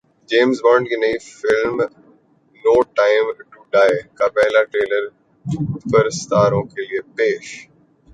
James Bond کی نئی film no time to die کا پہلا ٹریلر پرستاروں کے لیے پیش